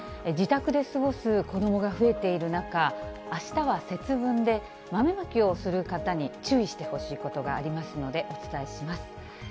自宅で過ごす子どもが増えている中、あしたは節分で、豆まきをする方に注意してほしいことがありますので、お伝えします。